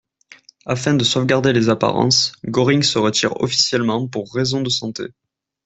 Afin de sauvegarder les apparences, Göring se retire officiellement pour raisons de santé.